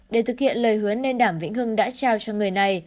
để thực hiện lời hứa nên đàm vĩnh hưng đã trao cho người này